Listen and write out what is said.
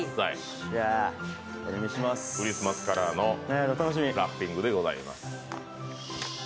クリスマスカラーのラッピングでございます。